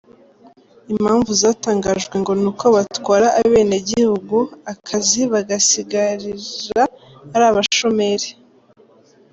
Impamvu zatangajwe ngo ni uko batwara abenegihugu akazi bagasigara ari abashomeri.